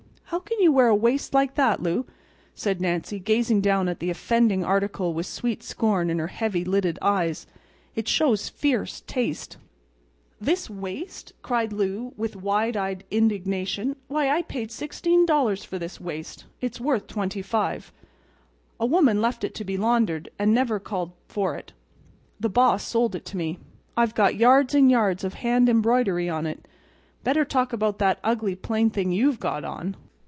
"How can you wear a waist like that, Lou?" said Nancy, gazing down at the offending article with sweet scorn in her heavy lidded eyes. "It shows fierce taste." "This waist?" cried Lou, with wide eyed indignation. "Why, I paid $16 for this waist. It's worth twenty five. A woman left it to be laundered, and never called for it. The boss sold it to me. It's got yards and yards of hand embroidery on it. Better talk about that ugly, plain thing you've got on."